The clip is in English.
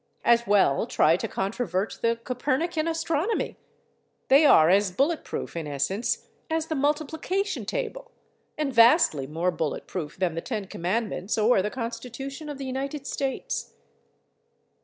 As well try to controvert the Copernican astronomy. They are as bullet proof in essence as the multiplication table, and vastly more bullet proof than the Ten Commandments or the Constitution of the United States.